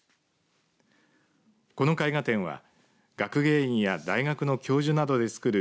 この絵画展は学芸員や大学の教授などでつくる